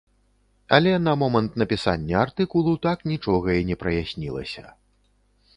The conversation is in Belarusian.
Але на момант напісання артыкулу так нічога і не праяснілася.